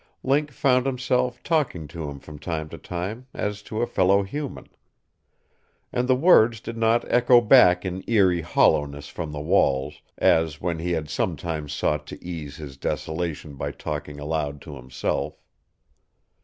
Link found himself talking to him from time to time as to a fellow human. And the words did not echo back in eerie hollowness from the walls, as when he had sometimes sought to ease his desolation by talking aloud to himself.